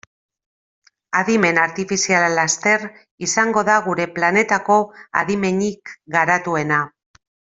Adimen artifiziala laster izango da gure planetako adimenik garatuena.